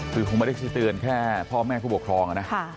คือคงไม่ได้เตือนแค่พ่อแม่ผู้บังคลองอ่ะนะค่ะ